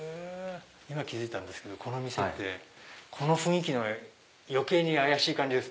今気付いたんですけどこの店ってこの雰囲気で余計に怪しいです。